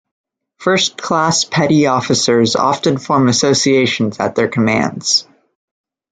First-class petty officers often form associations at their commands.